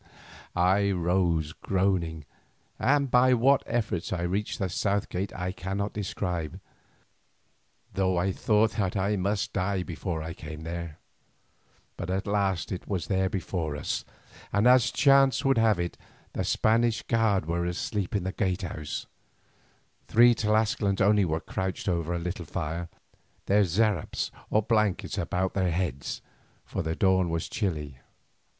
I rose groaning, and by what efforts I reached the south gate I cannot describe, though I thought that I must die before I came there. At last it was before us, and as chance would have it, the Spanish guard were asleep in the guardhouse. Three Tlascalans only were crouched over a little fire, their zerapes or blankets about their heads, for the dawn was chilly.